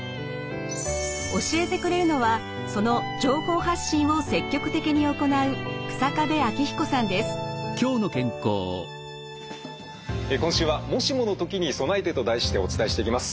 教えてくれるのはその情報発信を積極的に行う今週は「もしもの時に備えて」と題してお伝えしていきます。